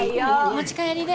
持ち帰りで。